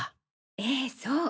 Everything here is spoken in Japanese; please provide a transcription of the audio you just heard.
ええそう！